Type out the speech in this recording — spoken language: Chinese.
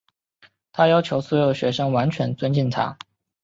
她要求所有学生完全尊敬她。